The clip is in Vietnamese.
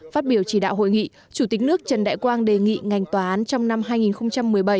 phát biểu chỉ đạo hội nghị chủ tịch nước trần đại quang đề nghị ngành tòa án trong năm hai nghìn một mươi bảy